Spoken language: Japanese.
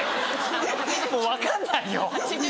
もう分かんないよ。